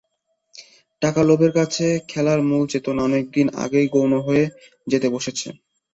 টাকার লোভের কাছে খেলার মূল চেতনা অনেক দিন ধরেই গৌণ হয়ে যেতে বসেছে।